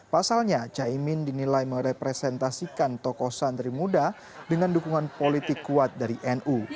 pasalnya caimin dinilai merepresentasikan tokoh santri muda dengan dukungan politik kuat dari nu